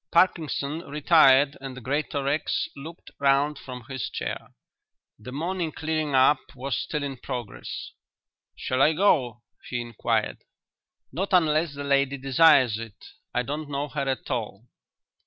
Parkinson retired and Greatorex looked round from his chair. The morning "clearing up" was still in progress. "Shall I go?" he inquired. "Not unless the lady desires it. I don't know her at all."